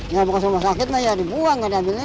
ya buka rumah sakit mah ya dibuang nggak diambil ini